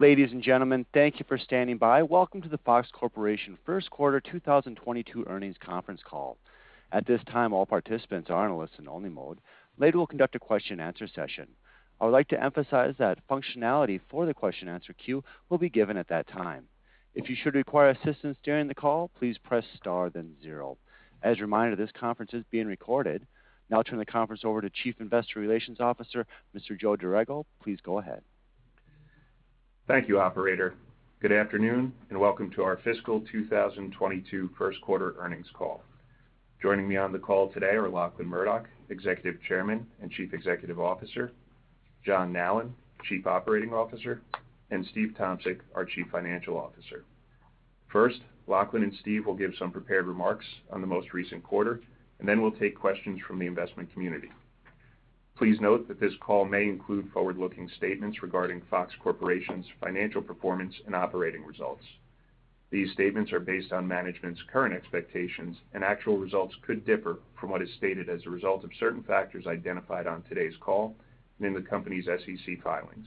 Ladies and gentlemen, thank you for standing by. Welcome to the Fox Corporation first quarter 2022 earnings conference call. At this time, all participants are in a listen-only mode. Later, we'll conduct a question-and-answer session. I would like to emphasize that functionality for the question-and-answer queue will be given at that time. If you should require assistance during the call, please press star, then zero. As a reminder, this conference is being recorded. Now I'll turn the conference over to Chief Investor Relations Officer, Mr. Joe Dorrego. Please go ahead. Thank you, operator. Good afternoon, and welcome to our fiscal 2022 first quarter earnings call. Joining me on the call today are Lachlan Murdoch, Executive Chairman and Chief Executive Officer, John Nallen, Chief Operating Officer, and Steve Tomsic, our Chief Financial Officer. First, Lachlan and Steve will give some prepared remarks on the most recent quarter, and then we'll take questions from the investment community. Please note that this call may include forward-looking statements regarding Fox Corporation's financial performance and operating results. These statements are based on management's current expectations, and actual results could differ from what is stated as a result of certain factors identified on today's call and in the company's SEC filings.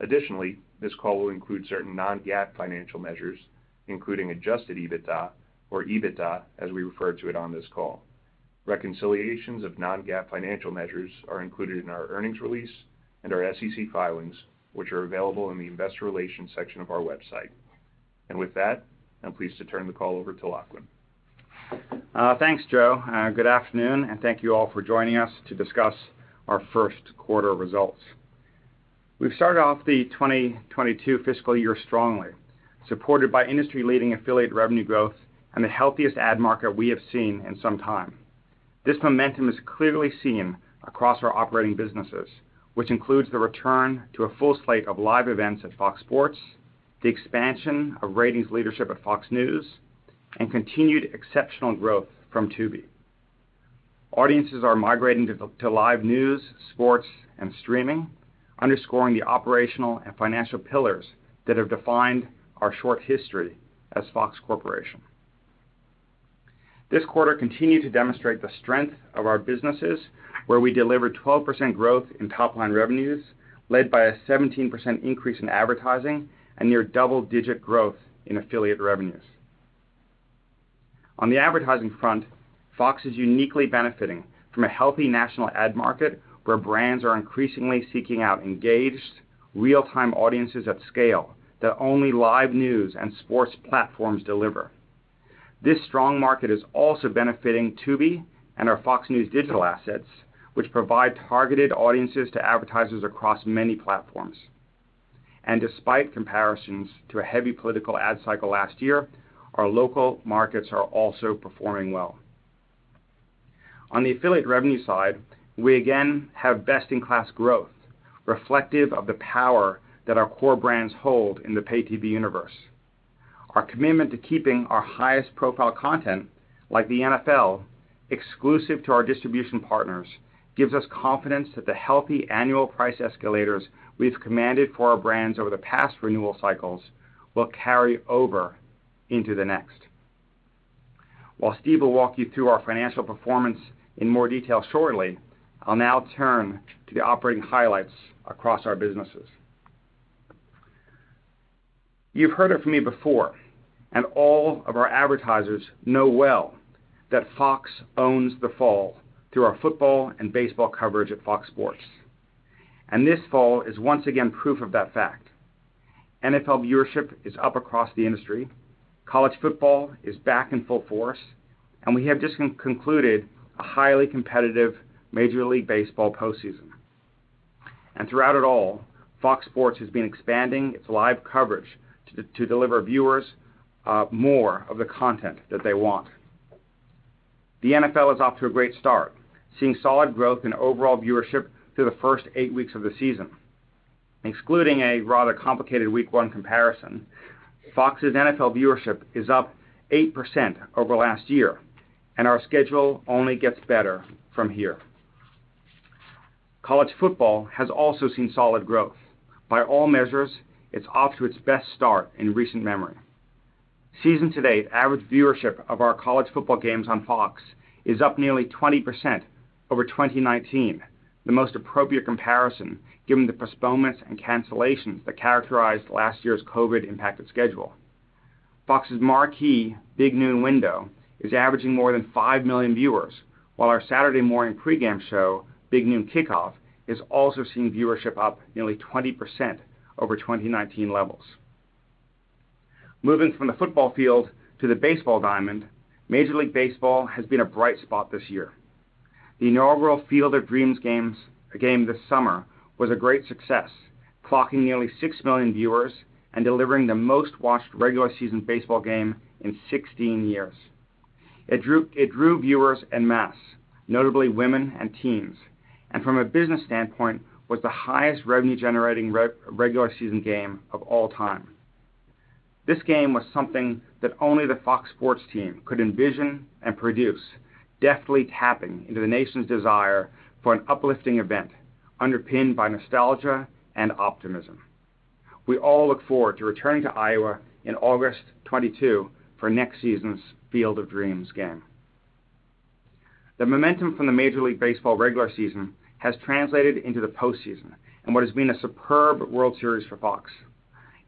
Additionally, this call will include certain non-GAAP financial measures, including adjusted EBITDA or EBITDA, as we refer to it on this call. Reconciliations of non-GAAP financial measures are included in our earnings release and our SEC filings, which are available in the investor relations section of our website. With that, I'm pleased to turn the call over to Lachlan. Thanks, Joe. Good afternoon, and thank you all for joining us to discuss our first quarter results. We've started off the 2022 fiscal year strongly, supported by industry-leading affiliate revenue growth and the healthiest ad market we have seen in some time. This momentum is clearly seen across our operating businesses, which includes the return to a full slate of live events at Fox Sports, the expansion of ratings leadership at Fox News, and continued exceptional growth from Tubi. Audiences are migrating to live news, sports, and streaming, underscoring the operational and financial pillars that have defined our short history as Fox Corporation. This quarter continued to demonstrate the strength of our businesses, where we delivered 12% growth in top line revenues, led by a 17% increase in advertising and near double-digit growth in affiliate revenues. On the advertising front, Fox is uniquely benefiting from a healthy national ad market where brands are increasingly seeking out engaged real-time audiences at scale that only live news and sports platforms deliver. This strong market is also benefiting Tubi and our Fox News digital assets, which provide targeted audiences to advertisers across many platforms. Despite comparisons to a heavy political ad cycle last year, our local markets are also performing well. On the affiliate revenue side, we again have best-in-class growth reflective of the power that our core brands hold in the pay TV universe. Our commitment to keeping our highest profile content, like the NFL, exclusive to our distribution partners, gives us confidence that the healthy annual price escalators we've commanded for our brands over the past renewal cycles will carry over into the next. While Steve will walk you through our financial performance in more detail shortly, I'll now turn to the operating highlights across our businesses. You've heard it from me before, and all of our advertisers know well that Fox owns the fall through our football and baseball coverage at Fox Sports. This fall is once again proof of that fact. NFL viewership is up across the industry, college football is back in full force, and we have just concluded a highly competitive Major League Baseball postseason. Throughout it all, Fox Sports has been expanding its live coverage to deliver viewers more of the content that they want. The NFL is off to a great start, seeing solid growth in overall viewership through the first eight weeks of the season. Excluding a rather complicated week one comparison, Fox's NFL viewership is up 8% over last year, and our schedule only gets better from here. College football has also seen solid growth. By all measures, it's off to its best start in recent memory. Season to date, average viewership of our college football games on Fox is up nearly 20% over 2019, the most appropriate comparison given the postponements and cancellations that characterized last year's COVID-impacted schedule. Fox's marquee Big Noon window is averaging more than 5 million viewers, while our Saturday morning pregame show, Big Noon Kickoff, has also seen viewership up nearly 20% over 2019 levels. Moving from the football field to the baseball diamond, Major League Baseball has been a bright spot this year. The inaugural Field of Dreams game this summer was a great success, clocking nearly 6 million viewers and delivering the most-watched regular season baseball game in 16 years. It drew viewers en masse, notably women and teens, and from a business standpoint, was the highest revenue-generating regular season game of all time. This game was something that only the Fox Sports team could envision and produce, deftly tapping into the nation's desire for an uplifting event underpinned by nostalgia and optimism. We all look forward to returning to Iowa in August 2022 for next season's Field of Dreams game. The momentum from the Major League Baseball regular season has translated into the postseason and what has been a superb World Series for Fox.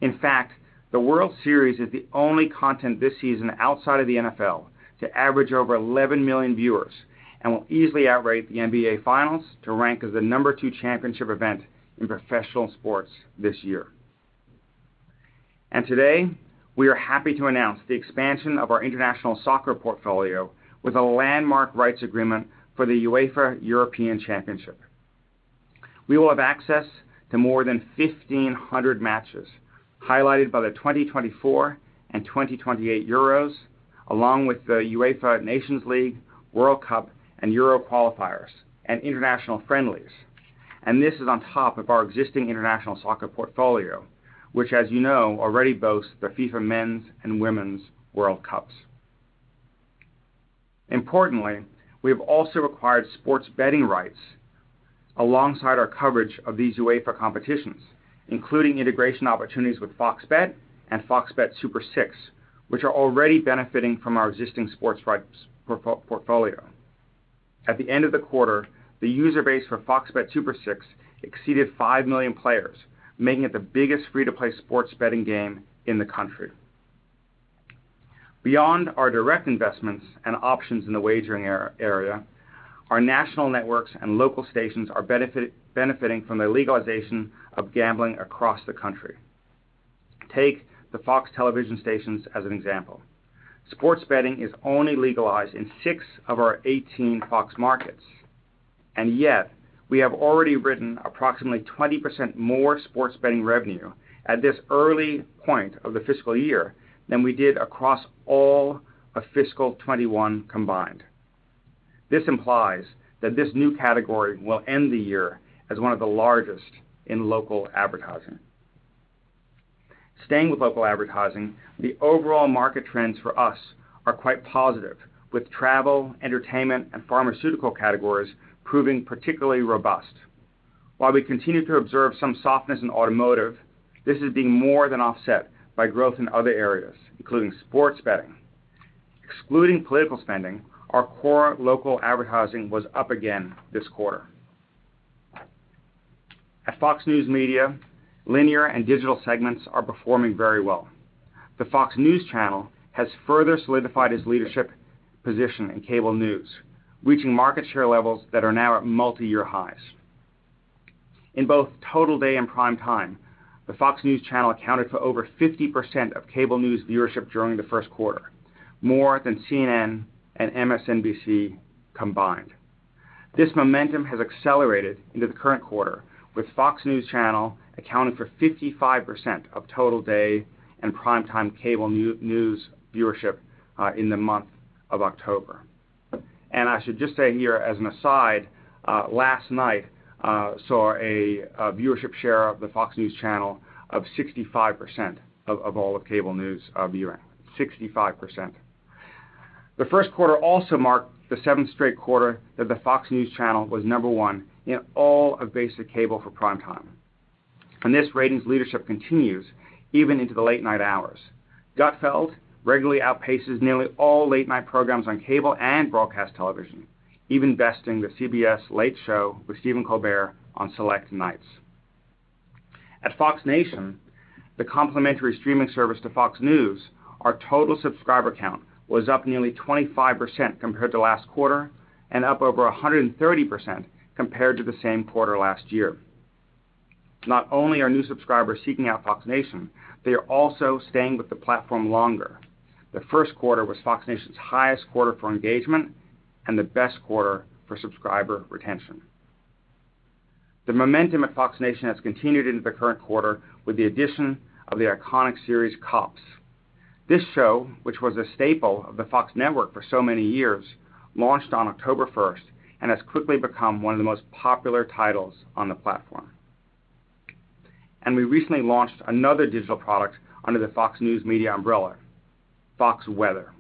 In fact, the World Series is the only content this season outside of the NFL to average over 11 million viewers and will easily outrate the NBA finals to rank as the No. two championship event in professional sports this year. Today, we are happy to announce the expansion of our international soccer portfolio with a landmark rights agreement for the UEFA European Championship. We will have access to more than 1,500 matches, highlighted by the 2024 and 2028 Euros, along with the UEFA Nations League, World Cup, and Euro qualifiers, and international friendlies. This is on top of our existing international soccer portfolio, which, as you know, already boasts the FIFA Men's and Women's World Cups. Importantly, we have also acquired sports betting rights alongside our coverage of these UEFA competitions, including integration opportunities with FOX Bet and Foxbet Super 6, which are already benefiting from our existing sports rights portfolio. At the end of the quarter, the user base for Foxbet Super 6 exceeded 5 million players, making it the biggest free-to-play sports betting game in the country. Beyond our direct investments and options in the wagering area, our national networks and local stations are benefiting from the legalization of gambling across the country. Take the FOX Television Stations as an example. Sports betting is only legalized in six of our 18 Fox markets, and yet we have already written approximately 20% more sports betting revenue at this early point of the fiscal year than we did across all of fiscal 2021 combined. This implies that this new category will end the year as one of the largest in local advertising. Staying with local advertising, the overall market trends for us are quite positive, with travel, entertainment, and pharmaceutical categories proving particularly robust. While we continue to observe some softness in automotive, this is being more than offset by growth in other areas, including sports betting. Excluding political spending, our core local advertising was up again this quarter. At Fox News Media, linear and digital segments are performing very well. The Fox News Channel has further solidified its leadership position in cable news, reaching market share levels that are now at multiyear highs. In both total day and prime time, the Fox News Channel accounted for over 50% of cable news viewership during the first quarter, more than CNN and MSNBC combined. This momentum has accelerated into the current quarter, with Fox News Channel accounting for 55% of total day and prime time cable news viewership in the month of October. I should just say here as an aside, last night saw a viewership share of the Fox News Channel of 65% of all of cable news viewing. 65%. The first quarter also marked the seventh straight quarter that the Fox News Channel was number one in all of basic cable for prime time, and this ratings leadership continues even into the late night hours. Gutfeld! regularly outpaces nearly all late-night programs on cable and broadcast television, even besting The Late Show with Stephen Colbert on select nights. At Fox Nation, the complimentary streaming service to Fox News, our total subscriber count was up nearly 25% compared to last quarter and up over 130% compared to the same quarter last year. Not only are new subscribers seeking out Fox Nation, they are also staying with the platform longer. The first quarter was Fox Nation's highest quarter for engagement and the best quarter for subscriber retention. The momentum at Fox Nation has continued into the current quarter with the addition of the iconic series COPS. This show, which was a staple of the Fox network for so many years, launched on October 1st and has quickly become one of the most popular titles on the platform. We recently launched another digital product under the Fox News Media umbrella, FOX Weather.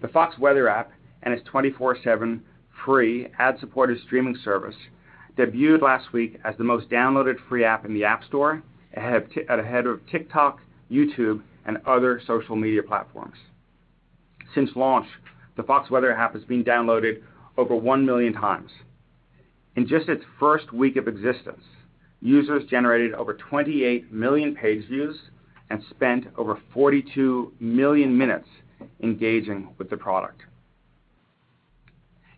The FOX Weather app and its 24/7 free ad-supported streaming service debuted last week as the most downloaded free app in the App Store, ahead of TikTok, YouTube, and other social media platforms. Since launch, the FOX Weather app has been downloaded over 1 million times. In just its first week of existence, users generated over 28 million page views and spent over 42 million minutes engaging with the product.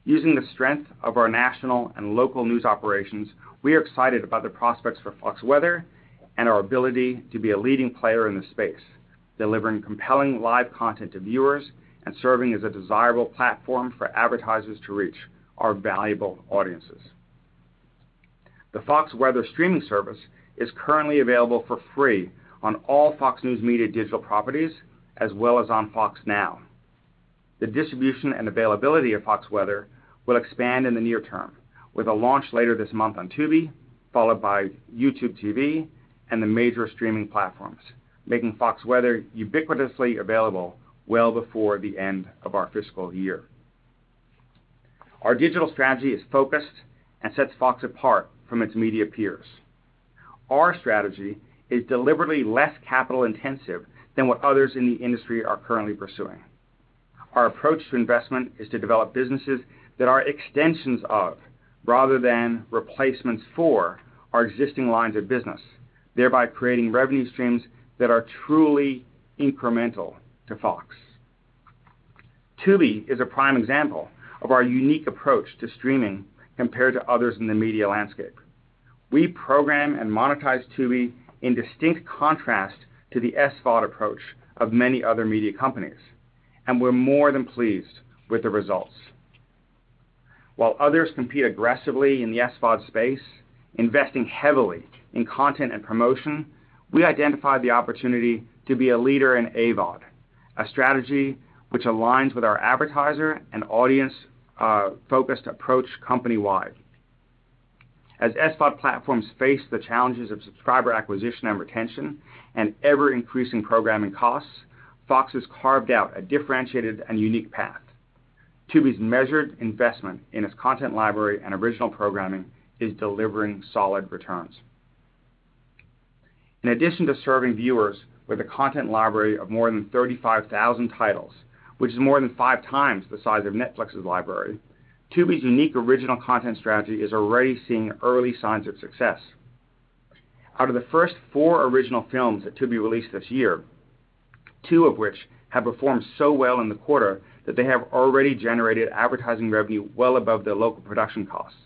Using the strength of our national and local news operations, we are excited about the prospects for FOX Weather and our ability to be a leading player in the space, delivering compelling live content to viewers and serving as a desirable platform for advertisers to reach our valuable audiences. The FOX Weather streaming service is currently available for free on all Fox News Media digital properties as well as on FOX Now. The distribution and availability of FOX Weather will expand in the near term with a launch later this month on Tubi, followed by YouTube TV and the major streaming platforms, making FOX Weather ubiquitously available well before the end of our fiscal year. Our digital strategy is focused and sets Fox apart from its media peers. Our strategy is deliberately less capital-intensive than what others in the industry are currently pursuing. Our approach to investment is to develop businesses that are extensions of, rather than replacements for, our existing lines of business, thereby creating revenue streams that are truly incremental to Fox. Tubi is a prime example of our unique approach to streaming compared to others in the media landscape. We program and monetize Tubi in distinct contrast to the SVOD approach of many other media companies, and we're more than pleased with the results. While others compete aggressively in the SVOD space, investing heavily in content and promotion, we identify the opportunity to be a leader in AVOD, a strategy which aligns with our advertiser and audience focused approach company-wide. As SVOD platforms face the challenges of subscriber acquisition and retention and ever-increasing programming costs, Fox has carved out a differentiated and unique path. Tubi's measured investment in its content library and original programming is delivering solid returns. In addition to serving viewers with a content library of more than 35,000 titles, which is more than five times the size of Netflix's library, Tubi's unique original content strategy is already seeing early signs of success. Out of the first four original films that Tubi released this year, two of which have performed so well in the quarter that they have already generated advertising revenue well above their local production costs,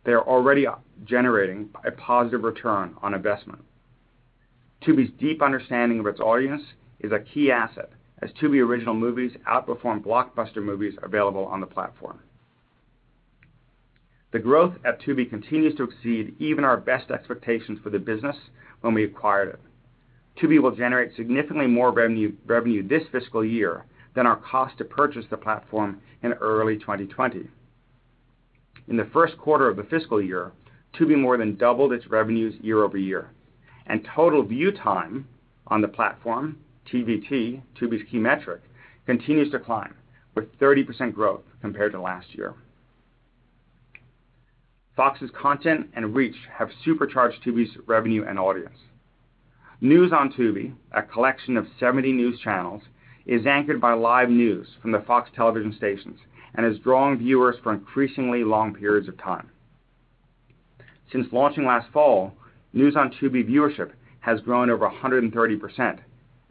meaning they are already generating a positive return on investment. Tubi's deep understanding of its audience is a key asset, as Tubi original movies outperform blockbuster movies available on the platform. The growth at Tubi continues to exceed even our best expectations for the business when we acquired it. Tubi will generate significantly more revenue this fiscal year than our cost to purchase the platform in early 2020. In the first quarter of the fiscal year, Tubi more than doubled its revenues year-over-year, and total view time on the platform, TVT, Tubi's key metric, continues to climb with 30% growth compared to last year. Fox's content and reach have supercharged Tubi's revenue and audience. News on Tubi, a collection of 70 news channels, is anchored by live news from the FOX Television Stations and has drawn viewers for increasingly long periods of time. Since launching last fall, News on Tubi viewership has grown over 130%,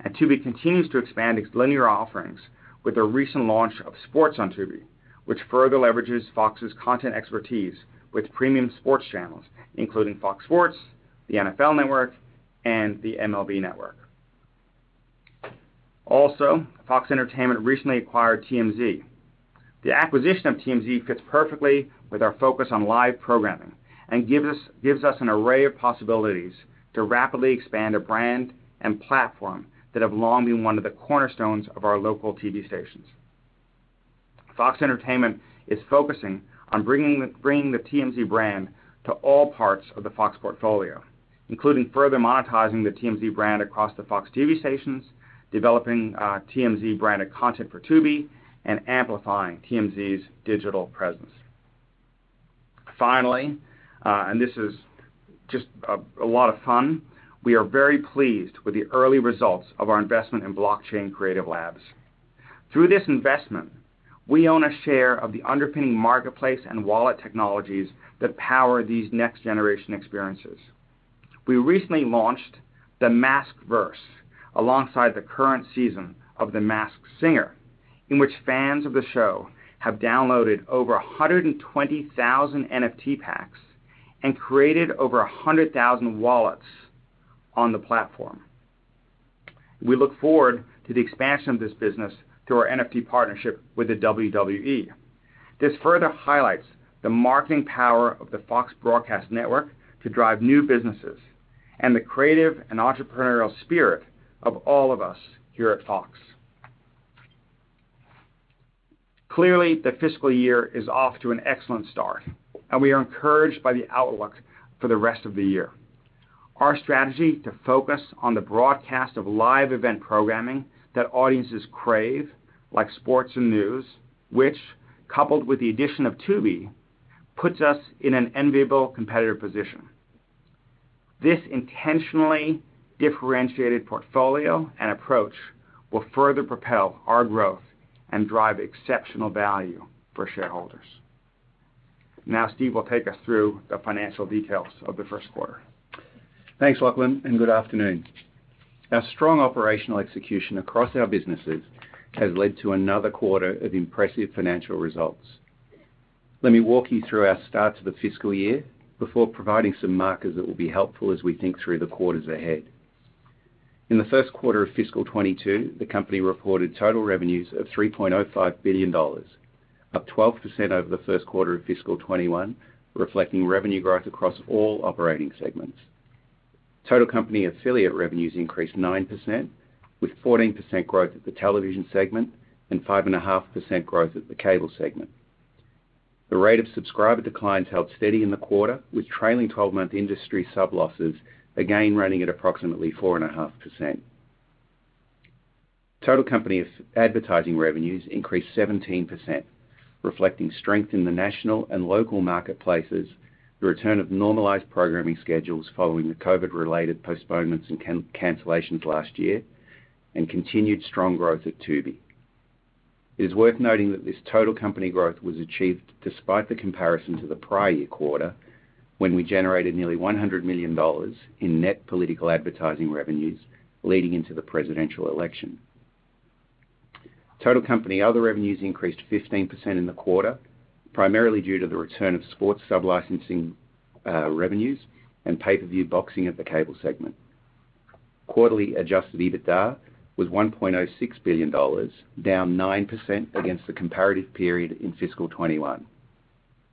and Tubi continues to expand its linear offerings with the recent launch of Sports on Tubi, which further leverages Fox's content expertise with premium sports channels, including Fox Sports, the NFL Network, and the MLB Network. Also, Fox Entertainment recently acquired TMZ. The acquisition of TMZ fits perfectly with our focus on live programming and gives us an array of possibilities to rapidly expand a brand and platform that have long been one of the cornerstones of our local TV stations. Fox Entertainment is focusing on bringing the TMZ brand to all parts of the Fox portfolio, including further monetizing the TMZ brand across the Fox TV stations, developing TMZ-branded content for Tubi, and amplifying TMZ's digital presence. Finally, this is just a lot of fun. We are very pleased with the early results of our investment in Blockchain Creative Labs. Through this investment, we own a share of the underpinning marketplace and wallet technologies that power these next-generation experiences. We recently launched MaskVerse alongside the current season of The Masked Singer, in which fans of the show have downloaded over 120,000 NFT packs and created over 100,000 wallets on the platform. We look forward to the expansion of this business through our NFT partnership with the WWE. This further highlights the marketing power of the Fox broadcast network to drive new businesses and the creative and entrepreneurial spirit of all of us here at Fox. Clearly, the fiscal year is off to an excellent start, and we are encouraged by the outlook for the rest of the year. Our strategy to focus on the broadcast of live event programming that audiences crave, like sports and news, which, coupled with the addition of Tubi, puts us in an enviable competitive position. This intentionally differentiated portfolio and approach will further propel our growth and drive exceptional value for shareholders. Now Steve will take us through the financial details of the first quarter. Thanks, Lachlan, and good afternoon. Our strong operational execution across our businesses has led to another quarter of impressive financial results. Let me walk you through our start to the fiscal year before providing some markers that will be helpful as we think through the quarters ahead. In the first quarter of fiscal 2022, the company reported total revenues of $3.05 billion, up 12% over the first quarter of fiscal 2021, reflecting revenue growth across all operating segments. Total company affiliate revenues increased 9% with 14% growth at the television segment and 5.5% growth at the cable segment. The rate of subscriber declines held steady in the quarter with trailing twelve-month industry sub losses again running at approximately 4.5%. Total Company advertising revenues increased 17%, reflecting strength in the national and local marketplaces, the return of normalized programming schedules following the COVID-related postponements and game-cancellations last year, and continued strong growth at Tubi. It is worth noting that this total company growth was achieved despite the comparison to the prior year quarter, when we generated nearly $100 million in net political advertising revenues leading into the presidential election. Total company other revenues increased 15% in the quarter, primarily due to the return of sports sublicensing revenues and pay-per-view boxing at the Cable segment. Quarterly adjusted EBITDA was $1.06 billion, down 9% against the comparative period in fiscal 2021,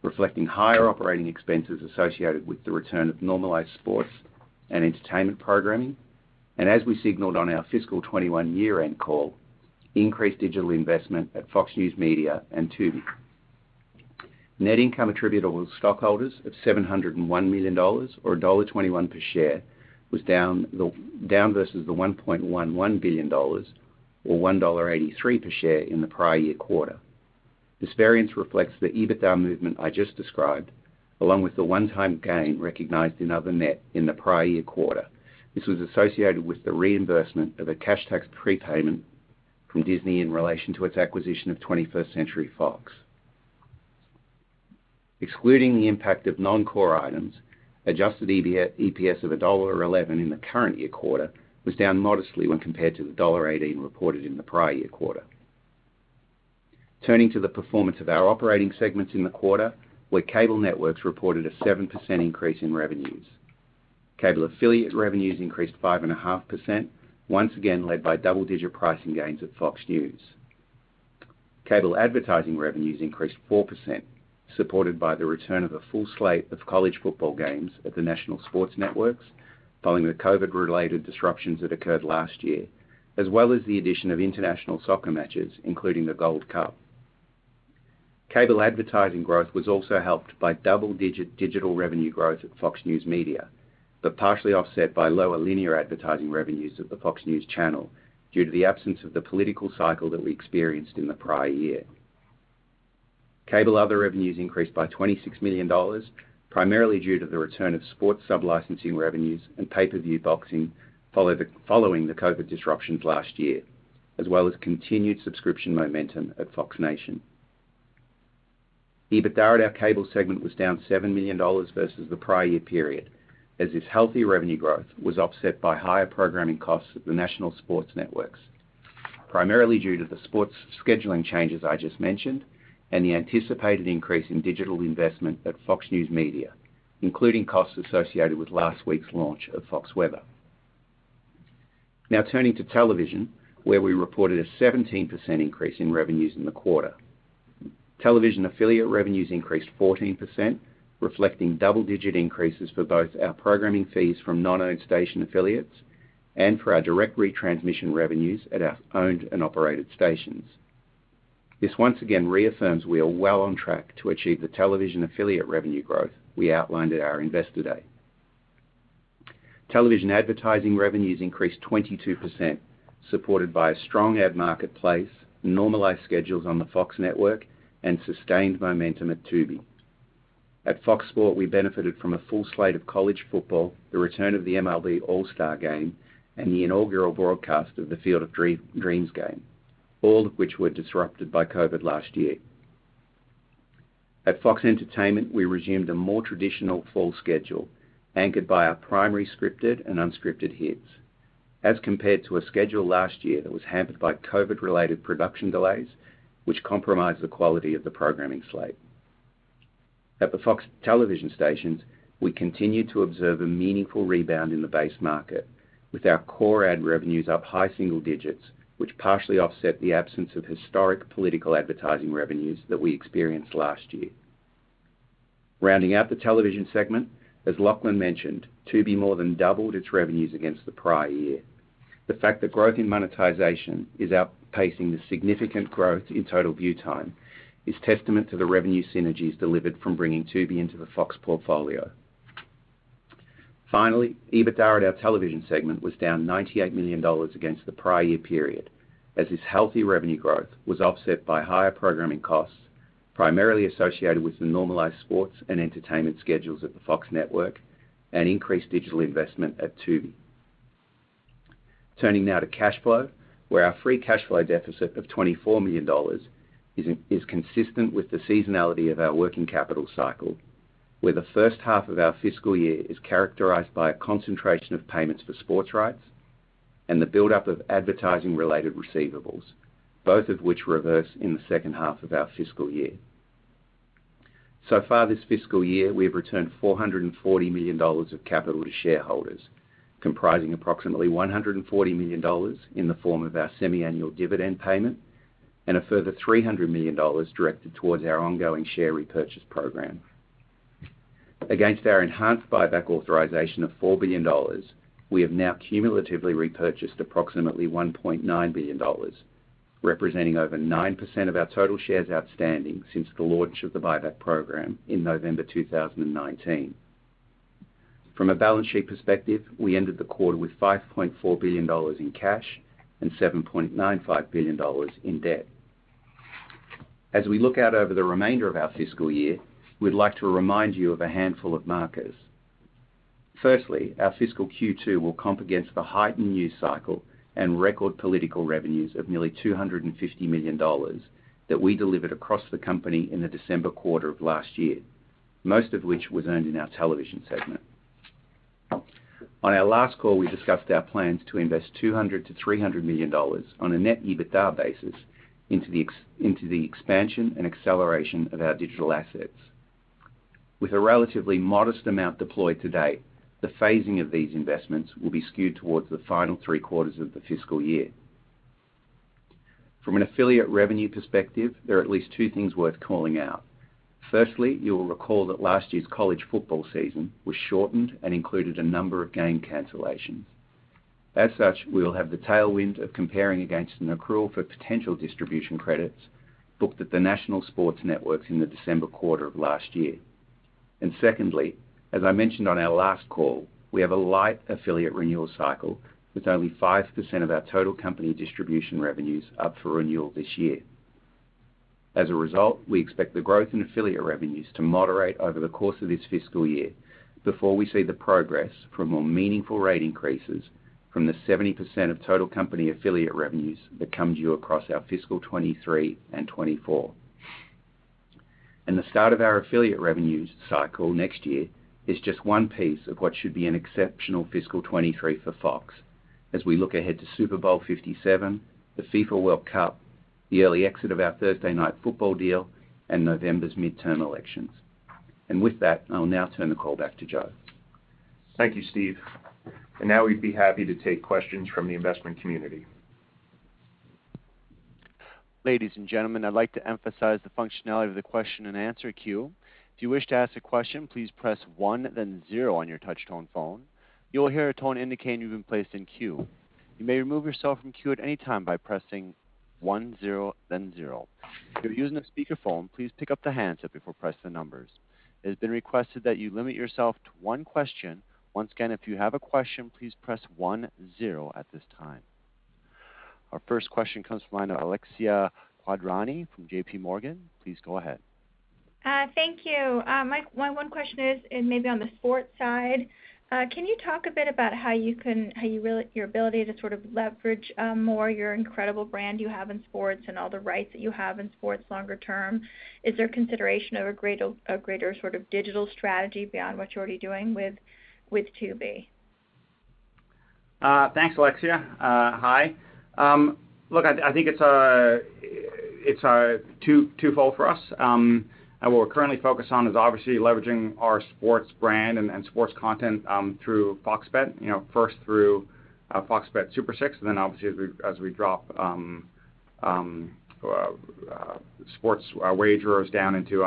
reflecting higher operating expenses associated with the return of normalized sports and entertainment programming, and as we signaled on our fiscal 2021 year-end call, increased digital investment at Fox News Media and Tubi. Net income attributable to stockholders of $701 million or $1.21 per share was down versus the $1.11 billion or $1.83 per share in the prior year quarter. This variance reflects the EBITDA movement I just described, along with the one-time gain recognized in other net in the prior year quarter. This was associated with the reimbursement of a cash tax prepayment from Disney in relation to its acquisition of 21st Century Fox. Excluding the impact of non-core items, adjusted EPS of $1.11 in the current year quarter was down modestly when compared to the $1.18 reported in the prior year quarter. Turning to the performance of our operating segments in the quarter, Cable Networks reported a 7% increase in revenues. Cable affiliate revenues increased 5.5%, once again led by double-digit pricing gains at Fox News. Cable advertising revenues increased 4%, supported by the return of a full slate of college football games at the national sports networks following the COVID-related disruptions that occurred last year, as well as the addition of international soccer matches, including the Gold Cup. Cable advertising growth was also helped by double-digit digital revenue growth at Fox News Media, but partially offset by lower linear advertising revenues at the Fox News Channel due to the absence of the political cycle that we experienced in the prior year. Cable other revenues increased by $26 million, primarily due to the return of sports sub-licensing revenues and pay-per-view boxing following the COVID disruptions last year, as well as continued subscription momentum at Fox Nation. EBITDA at our Cable segment was down $7 million versus the prior year period, as this healthy revenue growth was offset by higher programming costs at the national sports networks, primarily due to the sports scheduling changes I just mentioned and the anticipated increase in digital investment at Fox News Media, including costs associated with last week's launch of Fox Weather. Now turning to television, where we reported a 17% increase in revenues in the quarter. Television affiliate revenues increased 14%, reflecting double-digit increases for both our programming fees from non-owned station affiliates and for our direct retransmission revenues at our owned and operated stations. This once again reaffirms we are well on track to achieve the television affiliate revenue growth we outlined at our Investor Day. Television advertising revenues increased 22%, supported by a strong ad marketplace, normalized schedules on the Fox network, and sustained momentum at Tubi. At Fox Sports, we benefited from a full slate of college football, the return of the MLB All-Star Game, and the inaugural broadcast of the Field of Dreams game, all of which were disrupted by COVID last year. At Fox Entertainment, we resumed a more traditional fall schedule anchored by our primary scripted and unscripted hits, as compared to a schedule last year that was hampered by COVID-related production delays, which compromised the quality of the programming slate. At the FOX Television Stations, we continued to observe a meaningful rebound in the base market with our core ad revenues up high single digits, which partially offset the absence of historic political advertising revenues that we experienced last year. Rounding out the television segment, as Lachlan mentioned, Tubi more than doubled its revenues against the prior year. The fact that growth in monetization is outpacing the significant growth in total view time is testament to the revenue synergies delivered from bringing Tubi into the Fox portfolio. Finally, EBITDA at our Television segment was down $98 million against the prior year period, as this healthy revenue growth was offset by higher programming costs, primarily associated with the normalized sports and entertainment schedules at the Fox network and increased digital investment at Tubi. Turning now to cash flow, where our free cash flow deficit of $24 million is consistent with the seasonality of our working capital cycle, where the first half of our fiscal year is characterized by a concentration of payments for sports rights and the buildup of advertising-related receivables, both of which reverse in the second half of our fiscal year. So far this fiscal year, we have returned $440 million of capital to shareholders, comprising approximately $140 million in the form of our semi-annual dividend payment and a further $300 million directed towards our ongoing share repurchase program. Against our enhanced buyback authorization of $4 billion, we have now cumulatively repurchased approximately $1.9 billion, representing over 9% of our total shares outstanding since the launch of the buyback program in November 2019. From a balance sheet perspective, we ended the quarter with $5.4 billion in cash and $7.95 billion in debt. As we look out over the remainder of our fiscal year, we'd like to remind you of a handful of markers. Firstly, our fiscal Q2 will comp against the heightened news cycle and record political revenues of nearly $250 million that we delivered across the company in the December quarter of last year, most of which was earned in our Television segment. On our last call, we discussed our plans to invest $200 million-$300 million on a net EBITDA basis into the expansion and acceleration of our digital assets. With a relatively modest amount deployed to date, the phasing of these investments will be skewed towards the final three quarters of the fiscal year. From an affiliate revenue perspective, there are at least two things worth calling out. Firstly, you'll recall that last year's college football season was shortened and included a number of game cancellations. As such, we will have the tailwind of comparing against an accrual for potential distribution credits booked at the national sports networks in the December quarter of last year. Secondly, as I mentioned on our last call, we have a light affiliate renewal cycle, with only 5% of our total company distribution revenues up for renewal this year. As a result, we expect the growth in affiliate revenues to moderate over the course of this fiscal year before we see the progress from more meaningful rate increases from the 70% of total company affiliate revenues that come due across our fiscal 2023 and 2024. The start of our affiliate revenues cycle next year is just one piece of what should be an exceptional fiscal 2023 for Fox as we look ahead to Super Bowl LVII, the FIFA World Cup, the early exit of our Thursday Night Football deal, and November's midterm elections. With that, I'll now turn the call back to Joe. Thank you, Steve. Now we'd be happy to take questions from the investment community. Ladies and gentlemen, I'd like to emphasize the functionality of the question-and-answer queue. If you wish to ask a question, please press one, then zero on your touch-tone phone. You'll hear a tone indicating you've been placed in queue. You may remove yourself from queue at any time by pressing one, zero, then zero. If you're using a speakerphone, please pick up the handset before pressing the numbers. It has been requested that you limit yourself to one question. Once again, if you have a question, please press one, zero at this time. Our first question comes from the line of Alexia Quadrani from JPMorgan. Please go ahead. Thank you. My one question is maybe on the sports side. Can you talk a bit about your ability to sort of leverage more your incredible brand you have in sports and all the rights that you have in sports longer term? Is there consideration of a greater sort of digital strategy beyond what you're already doing with Tubi? Thanks, Alexia. Hi. Look, I think it's twofold for us. What we're currently focused on is obviously leveraging our sports brand and sports content through FOX Bet, you know, first through Foxbet Super 6, and then obviously as we drop sports wagers down into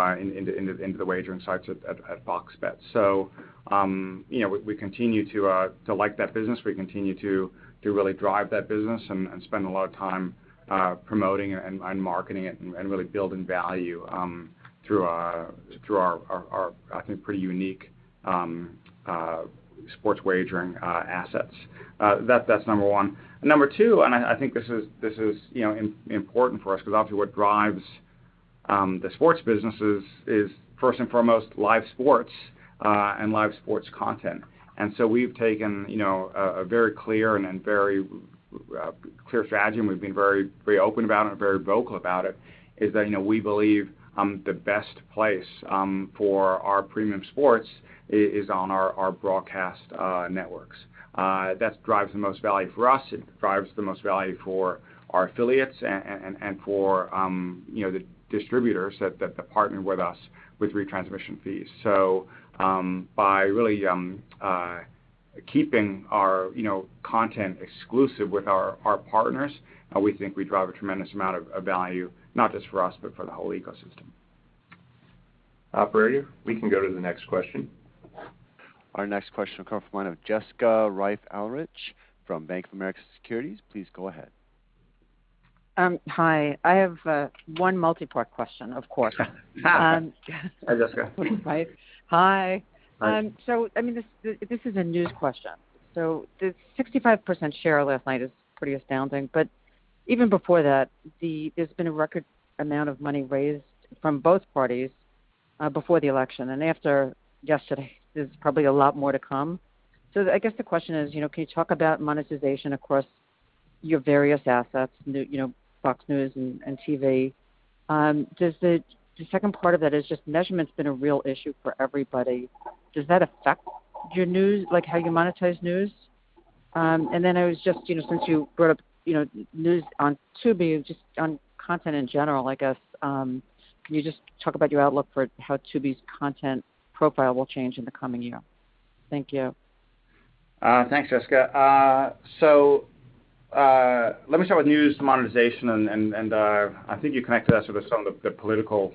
the wagering sites at FOX Bet. You know, we continue to like that business. We continue to really drive that business and spend a lot of time promoting it and marketing it and really building value through our I think pretty unique sports wagering assets. That's number one. Number two. I think this is you know important for us 'cause obviously what drives the sports business is first and foremost live sports and live sports content. We've taken you know a very clear and very clear strategy and we've been very open about it and very vocal about it is that you know we believe the best place for our premium sports is on our broadcast networks. That drives the most value for us, it drives the most value for our affiliates and for you know the distributors that partner with us with retransmission fees. By really keeping our, you know, content exclusive with our partners, we think we drive a tremendous amount of value, not just for us, but for the whole ecosystem. Operator, we can go to the next question. Our next question will come from the line of Jessica Reif Ehrlich from Bank of America Securities. Please go ahead. Hi. I have one multi-part question, of course. Hi, Jessica. Right. Hi. Hi. I mean, this is a news question. The 65% share last night is pretty astounding, but even before that, there's been a record amount of money raised from both parties before the election, and after yesterday, there's probably a lot more to come. I guess the question is, you know, can you talk about monetization across your various assets, you know, Fox News and TV? The second part of that is just measurement's been a real issue for everybody. Does that affect your news, like how you monetize news? And then I was just, you know, since you brought up, you know, news on Tubi, just on content in general, I guess, can you just talk about your outlook for how Tubi's content profile will change in the coming year? Thank you. Thanks, Jessica. Let me start with news monetization and I think you connected that sort of some of the political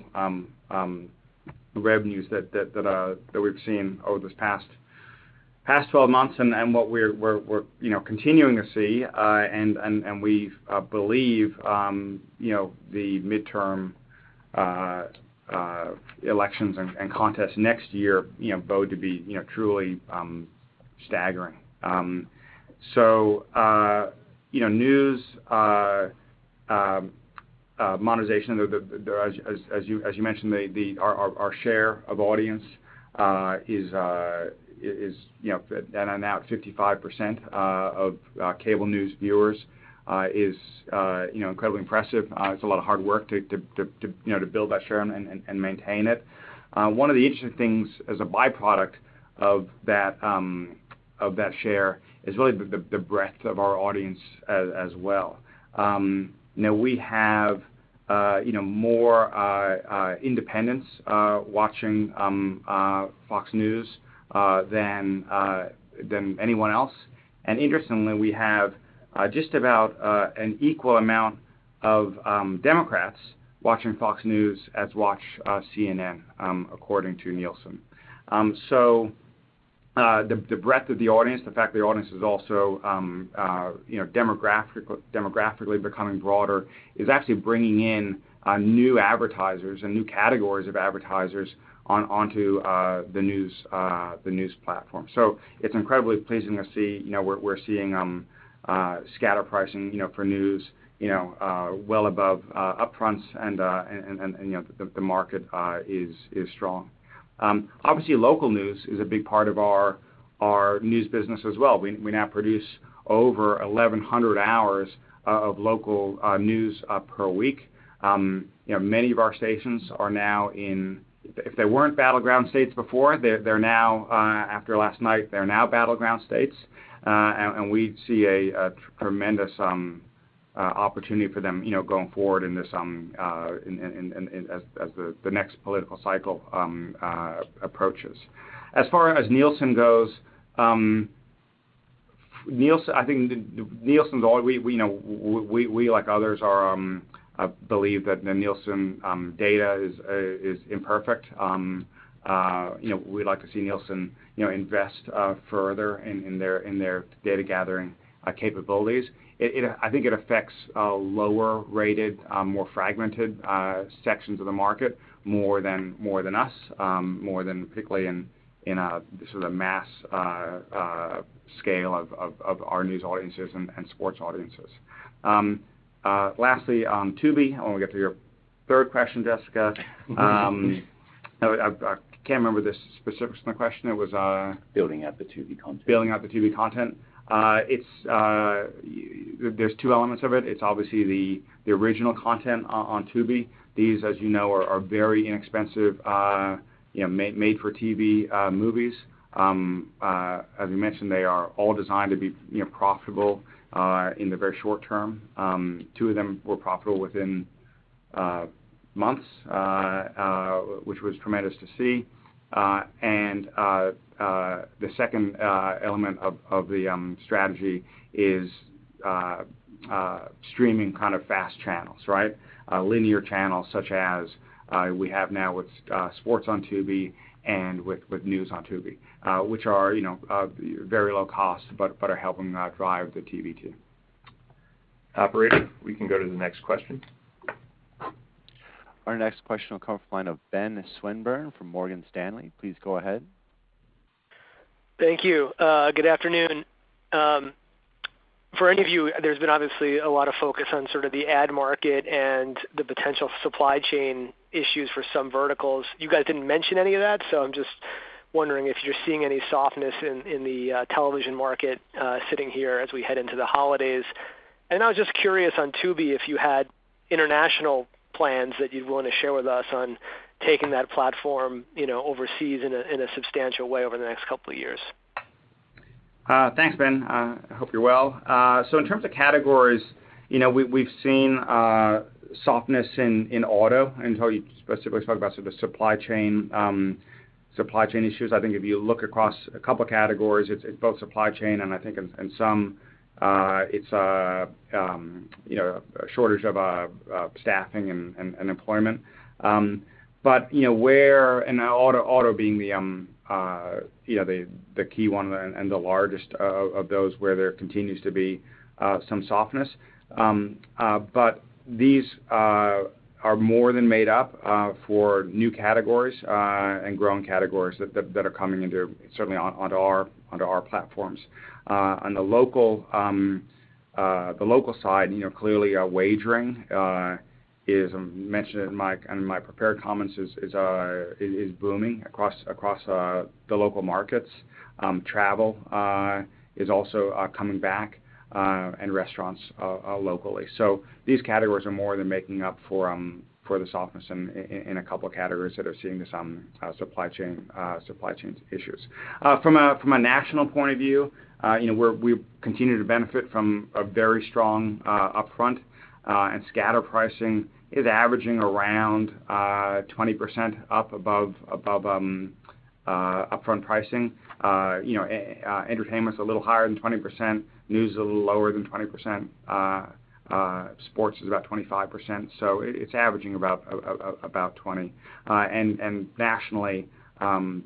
revenues that we've seen over this past 12 months and what we're you know continuing to see. We believe you know the midterm elections and contests next year you know bode to be you know truly staggering. You know news monetization as you mentioned our share of audience is you know now at 55% of cable news viewers is you know incredibly impressive. It's a lot of hard work, you know, to build that share and maintain it. One of the interesting things as a byproduct of that share is really the breadth of our audience as well. You know, we have, you know, more independents watching Fox News than anyone else. Interestingly, we have just about an equal amount of Democrats watching Fox News as watch CNN, according to Nielsen. The breadth of the audience, the fact the audience is also, you know, demographically becoming broader is actually bringing in new advertisers and new categories of advertisers onto the news platform. It's incredibly pleasing to see, you know, we're seeing scatter pricing, you know, for news, you know, well above upfronts and, you know, the market is strong. Obviously local news is a big part of our news business as well. We now produce over 1,100 hours of local news per week. Many of our stations are now in battleground states. If they weren't battleground states before, they're now battleground states after last night. We see a tremendous opportunity for them, you know, going forward as the next political cycle approaches. As far as Nielsen goes, Nielsen's always. We know, like others, believe that the Nielsen data is imperfect. You know, we'd like to see Nielsen, you know, invest further in their data-gathering capabilities. I think it affects lower-rated, more fragmented sections of the market more than us, more than particularly in a sort of mass scale of our news audiences and sports audiences. Lastly on Tubi, I want to get to your third question, Jessica. I can't remember the specifics of my question. It was Building out the Tubi content. Building out the Tubi content. It's, there's two elements of it. It's obviously the original content on Tubi. These, as you know, are very inexpensive, you know, made-for-TV movies. As you mentioned, they are all designed to be, you know, profitable in the very short term. Two of them were profitable within months, which was tremendous to see. The second element of the strategy is streaming kind of FAST channels, right? Linear channels such as we have now with Sports on Tubi and with News on Tubi, which are, you know, very low cost but are helping drive the Tubi too. Operator, we can go to the next question. Our next question will come from the line of Ben Swinburne from Morgan Stanley. Please go ahead. Thank you. Good afternoon. For any of you, there's been obviously a lot of focus on sort of the ad market and the potential supply chain issues for some verticals. You guys didn't mention any of that, so I'm just wondering if you're seeing any softness in the television market, sitting here as we head into the holidays. I was just curious on Tubi if you had international plans that you'd want to share with us on taking that platform, you know, overseas in a substantial way over the next couple of years. Thanks, Ben. I hope you're well. In terms of categories, you know, we've seen softness in auto. You specifically talked about sort of supply chain issues. I think if you look across a couple of categories, it's both supply chain and I think in some it's you know a shortage of staffing and employment. You know where. Now auto being the key one and the largest of those where there continues to be some softness. These are more than made up for new categories and growing categories that are coming into certainly onto our platforms. On the local side, you know, clearly, wagering is mentioned in my prepared comments and is booming across the local markets. Travel is also coming back and restaurants locally. These categories are more than making up for the softness in a couple of categories that are seeing some supply chain issues. From a national point of view, you know, we continue to benefit from a very strong upfront, and scatter pricing is averaging around 20% up above upfront pricing. You know, entertainment's a little higher than 20%. News is a little lower than 20%. Sports is about 25%. It's averaging about 20%. Nationally,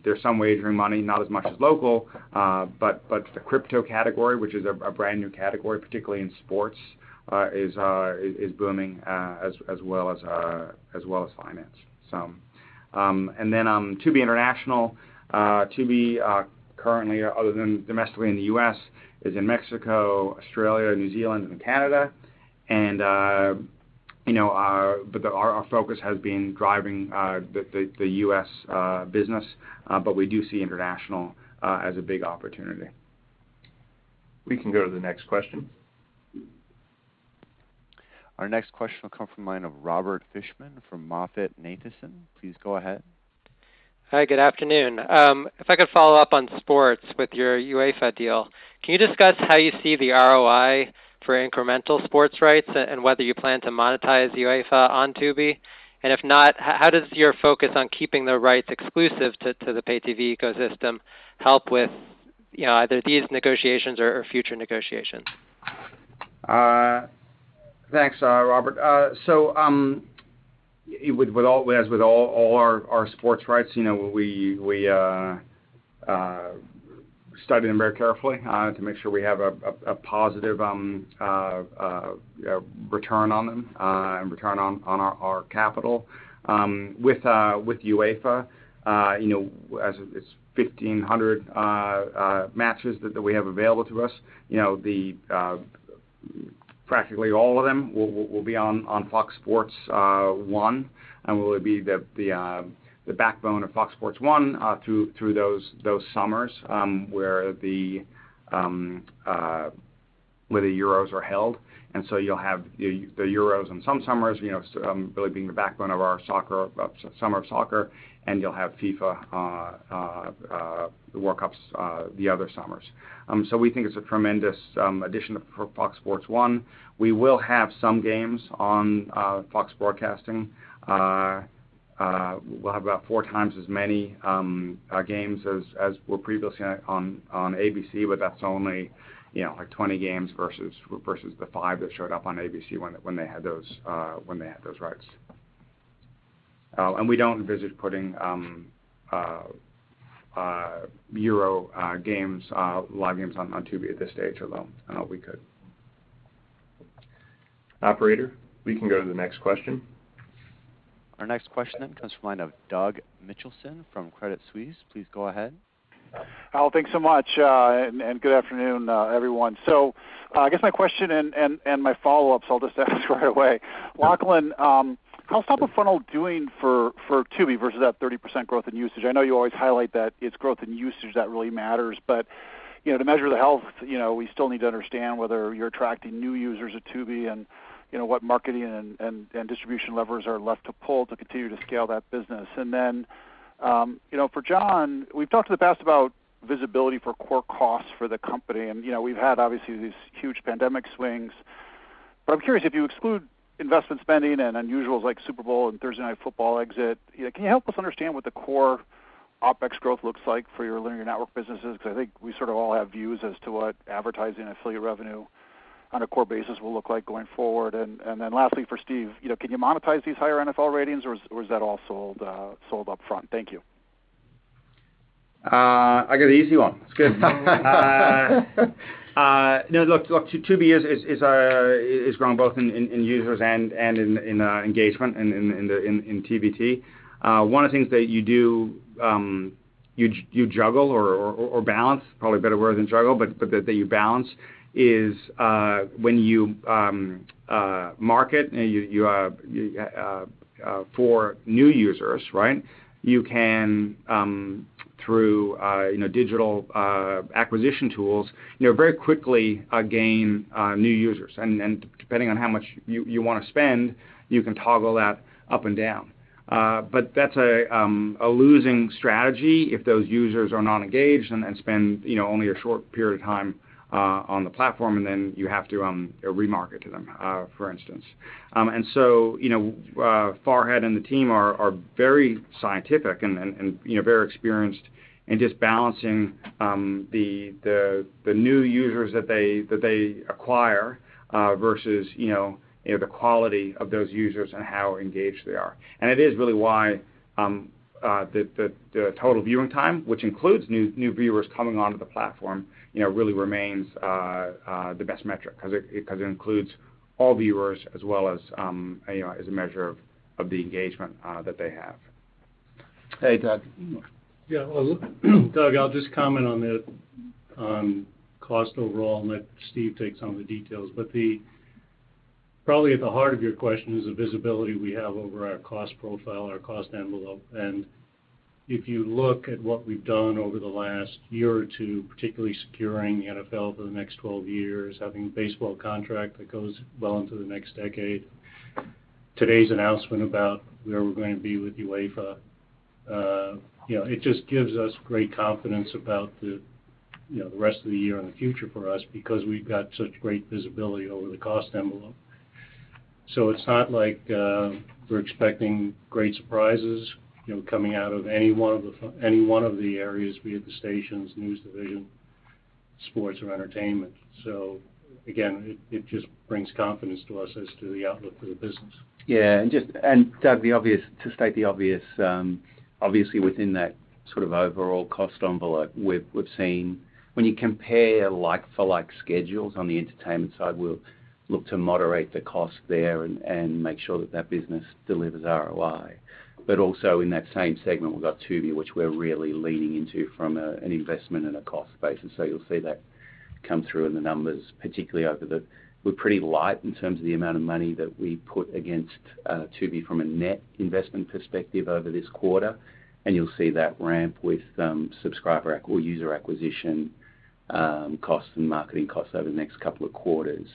there's some wagering money, not as much as local, but the crypto category, which is a brand-new category, particularly in sports, is booming, as well as finance. Tubi International, Tubi currently other than domestically in the U.S., is in Mexico, Australia, New Zealand, and Canada. You know, but our focus has been driving the U.S. business, but we do see international as a big opportunity. We can go to the next question. Our next question will come from the line of Robert Fishman from MoffettNathanson. Please go ahead. Hi, good afternoon. If I could follow up on sports with your UEFA deal. Can you discuss how you see the ROI for incremental sports rights and whether you plan to monetize UEFA on Tubi? If not, how does your focus on keeping the rights exclusive to the pay TV ecosystem help with, you know, either these negotiations or future negotiations? Thanks, Robert. As with all our sports rights, you know, we study them very carefully to make sure we have a positive return on them and return on our capital. With UEFA, you know, as it's 1500 matches that we have available to us, you know, practically all of them will be on Fox Sports 1 and will be the backbone of Fox Sports 1 through those summers where the Euros are held. You'll have the Euros on some summers, you know, really being the backbone of our summer soccer, and you'll have FIFA, the World Cups, the other summers. We think it's a tremendous addition for Fox Sports 1. We will have some games on Fox Broadcasting. We'll have about 4x many games as were previously on ABC, but that's only, you know, like 20 games versus the five that showed up on ABC when they had those rights. We don't envision putting Euro games, live games on Tubi at this stage, although I know we could. Operator, we can go to the next question. Our next question comes from the line of Doug Mitchelson from Credit Suisse. Please go ahead. Hi, thanks so much, and good afternoon, everyone. I guess my question and my follow-ups, I'll just ask right away. Lachlan, how's top of funnel doing for Tubi versus that 30% growth in usage? I know you always highlight that it's growth in usage that really matters, but you know, to measure the health, you know, we still need to understand whether you're attracting new users at Tubi and you know, what marketing and distribution levers are left to pull to continue to scale that business. You know, for John, we've talked in the past about visibility for core costs for the company. You know, we've had obviously these huge pandemic swings, but I'm curious if you exclude investment spending and unusuals like Super Bowl and Thursday Night Football exit, you know, can you help us understand what the core OpEx growth looks like for your linear network businesses? Because I think we sort of all have views as to what advertising affiliate revenue on a core basis will look like going forward. Then lastly for Steve, you know, can you monetize these higher NFL ratings or is that all sold up front? Thank you. I got an easy one. It's good. No, look, Tubi is growing both in users and in engagement in TVT. One of the things that you do, you juggle or balance, probably a better word than juggle, but that you balance is when you market for new users, right? You can, through you know digital acquisition tools, you know, very quickly gain new users. Depending on how much you wanna spend, you can toggle that up and down. That's a losing strategy if those users are not engaged and spend, you know, only a short period of time on the platform, and then you have to re-market to them, for instance. You know, Farhad and the team are very scientific and very experienced in just balancing the new users that they acquire versus, you know, the quality of those users and how engaged they are. It is really why the total viewing time, which includes new viewers coming onto the platform, you know, really remains the best metric 'cause it includes all viewers as well as, you know, as a measure of the engagement that they have. Hey, Doug. Yeah. Well, Doug, I'll just comment on the cost overall and let Steve take some of the details. Probably at the heart of your question is the visibility we have over our cost profile, our cost envelope. If you look at what we've done over the last year or two, particularly securing the NFL for the next 12 years, having a baseball contract that goes well into the next decade, today's announcement about where we're going to be with UEFA, you know, it just gives us great confidence about the, you know, the rest of the year and the future for us because we've got such great visibility over the cost envelope. It's not like, we're expecting great surprises, you know, coming out of any one of the areas, be it the stations, news division, sports or entertainment. Again, it just brings confidence to us as to the outlook for the business. Yeah. Doug, to state the obvious, obviously within that sort of overall cost envelope, we've seen, when you compare like-for-like schedules on the entertainment side, we'll look to moderate the cost there and make sure that that business delivers ROI. Also in that same segment, we've got Tubi, which we're really leaning into from an investment and a cost basis. You'll see that come through in the numbers, particularly over the quarter. We're pretty light in terms of the amount of money that we put against Tubi from a net investment perspective over this quarter, and you'll see that ramp with subscriber or user acquisition costs and marketing costs over the next couple of quarters.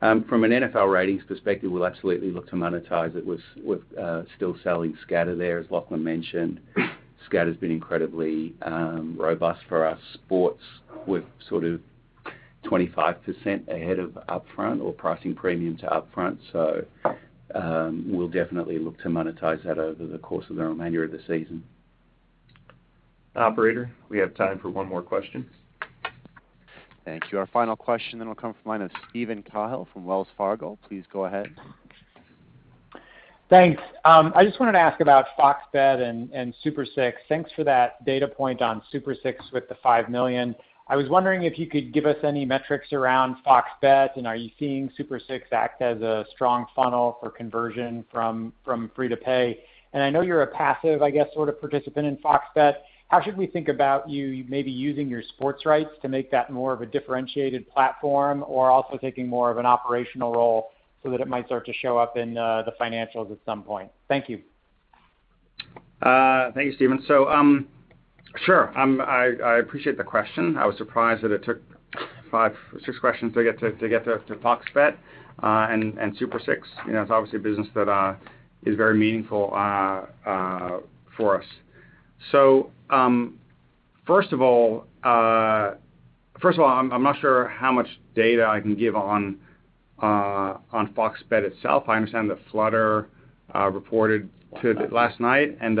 From an NFL ratings perspective, we'll absolutely look to monetize it with still selling scatter there, as Lachlan mentioned. Scatter's been incredibly robust for our sports with sort of 25% ahead of upfront or pricing premium to upfront. We'll definitely look to monetize that over the course of the remainder of the season. Operator, we have time for one more question. Thank you. Our final question will come from the line of Steven Cahall from Wells Fargo. Please go ahead. Thanks. I just wanted to ask about FOX Bet and Super 6. Thanks for that data point on Super 6 with the 5 million. I was wondering if you could give us any metrics around FOX Bet, and are you seeing Super 6 act as a strong funnel for conversion from free to pay? I know you're a passive, I guess, sort of participant in FOX Bet. How should we think about you maybe using your sports rights to make that more of a differentiated platform or also taking more of an operational role so that it might start to show up in the financials at some point? Thank you. Thank you, Steven. Sure. I appreciate the question. I was surprised that it took five, six questions to get to FOX Bet and Super 6. You know, it's obviously a business that is very meaningful for us. First of all, I'm not sure how much data I can give on FOX Bet itself. I understand that Flutter reported to the market last night, and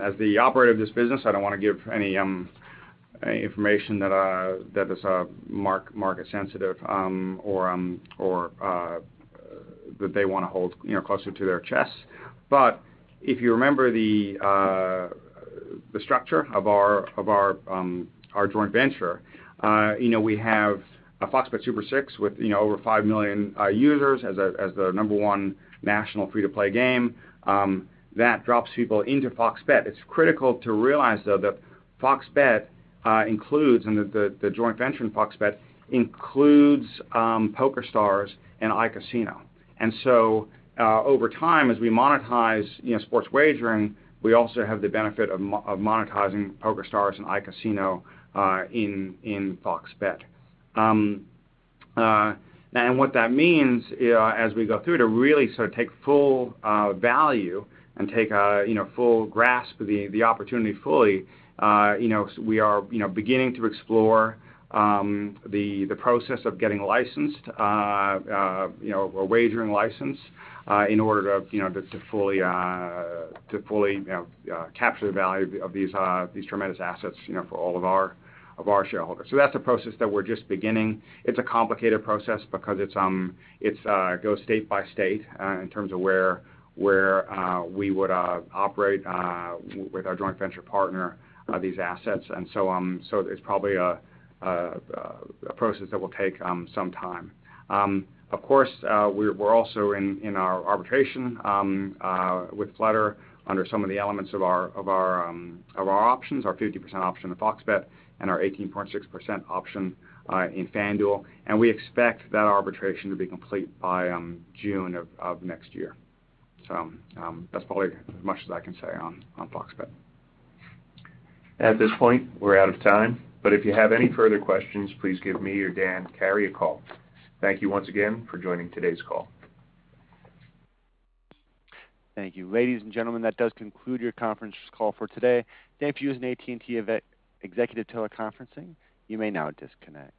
as the operator of this business, I don't wanna give any information that is market sensitive, or that they wanna hold, you know, closer to their chest. If you remember the structure of our joint venture, you know, we have Foxbet Super 6 with, you know, over 5 million users as the number one national free-to-play game that drops people into FOX Bet. It's critical to realize, though, that FOX Bet includes and the joint venture in FOX Bet includes PokerStars and iCasino. Over time, as we monetize, you know, sports wagering, we also have the benefit of monetizing PokerStars and iCasino in FOX Bet. What that means, as we go through to really sort of take full value and take a, you know, full grasp of the opportunity fully, you know, we are, you know, beginning to explore the process of getting licensed, you know, a wagering license, in order to, you know, to fully capture the value of these tremendous assets, you know, for all of our shareholders. That's a process that we're just beginning. It's a complicated process because it goes state by state, in terms of where we would operate with our joint venture partner, these assets. It's probably a process that will take some time. Of course, we're also in our arbitration with Flutter under some of the elements of our options, our 50% option in FOX Bet and our 18.6% option in FanDuel, and we expect that arbitration to be complete by June of next year. That's probably as much as I can say on FOX Bet. At this point, we're out of time, but if you have any further questions, please give me or Dan Carey a call. Thank you once again for joining today's call. Thank you. Ladies and gentlemen, that does conclude your conference call for today. Thank you for using AT&T Executive Teleconferencing. You may now disconnect.